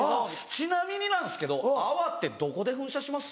ちなみになんすけど泡ってどこで噴射します？」。